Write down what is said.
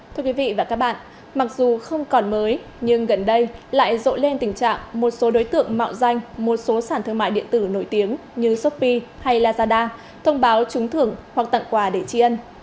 thưa quý vị và các bạn mặc dù không còn mới nhưng gần đây lại rộ lên tình trạng một số đối tượng mạo danh một số sản thương mại điện tử nổi tiếng như shopee hay lazada thông báo trúng thưởng hoặc tặng quà để chi ân